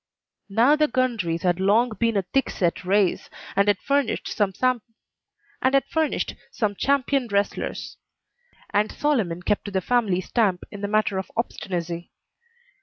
Now the Gundries had long been a thickset race, and had furnished some champion wrestlers; and Solomon kept to the family stamp in the matter of obstinacy.